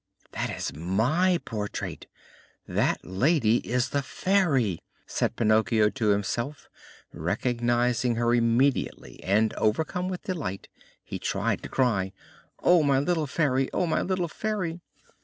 "That is my portrait! That lady is the Fairy!" said Pinocchio to himself, recognizing her immediately; and, overcome with delight, he tried to cry: "Oh, my little Fairy! Oh, my little Fairy!"